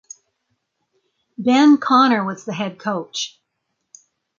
Ben Connor was the head coach.